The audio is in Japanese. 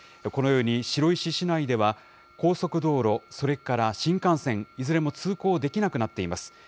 このように白石市内では、高速道路、それから新幹線、いずれも通行できなくなっています。